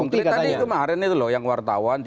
mungkin tadi kemarin itu loh yang wartawan